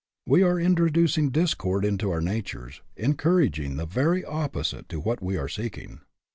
We are intro ducing discord into our natures ; encouraging the very opposite to what we are seeking.